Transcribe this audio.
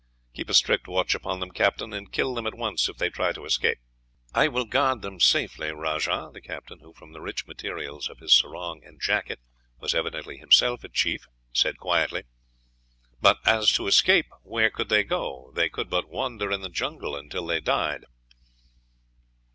Keep a strict watch upon them, Captain, and kill them at once if they try to escape." "I will guard them safely, Rajah," the captain, who, from the rich materials of his sarong and jacket, was evidently himself a chief, said quietly; "but as to escape, where could they go? They could but wander in the jungle until they died."